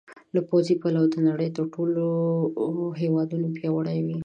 له پوځي پلوه د نړۍ تر نورو ټولو هېوادونو پیاوړي وي.